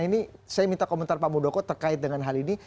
ini saya minta komentar pak muldoko terkait dengan hal ini